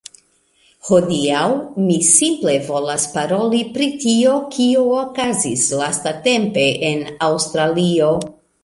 Hodiaŭ mi simple volas paroli pri tio, kio okazis lastatempe en Aŭstralio